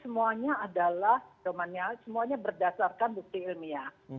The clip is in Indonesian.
semuanya yang dibuat oleh who itu semuanya adalah semuanya berdasarkan bukti ilmiah